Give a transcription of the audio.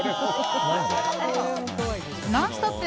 「ノンストップ！」